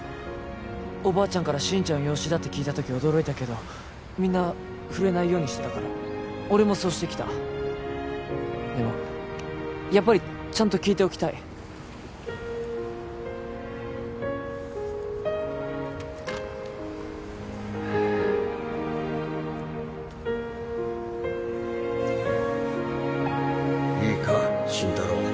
おばあちゃんから心ちゃんは養子だって聞いた時驚いたけどみんな触れないようにしてたから俺もそうしてきたでもやっぱりちゃんと聞いておきたいいいか心太朗